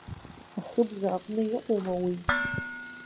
Ахыбжа аҟны иҟоума уи!